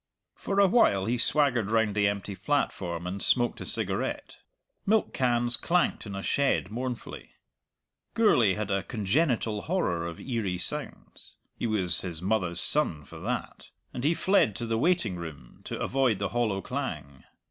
For a while he swaggered round the empty platform and smoked a cigarette. Milk cans clanked in a shed mournfully. Gourlay had a congenital horror of eerie sounds he was his mother's son for that and he fled to the waiting room, to avoid the hollow clang.